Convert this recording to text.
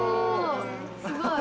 ・すごい。